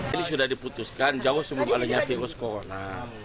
ini sudah diputuskan jauh sebelum adanya virus corona